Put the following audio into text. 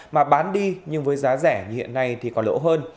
mà bán đi nhưng với giá rẻ như hiện nay thì còn lỗ hơn